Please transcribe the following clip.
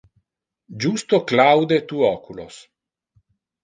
Justo claude tu oculos.